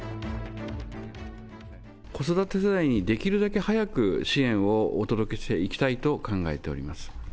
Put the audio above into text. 子育て世代にできるだけ早く支援をお届けしていきたいと考え